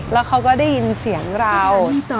แล้วเขาก็ได้ยินเสียงเรา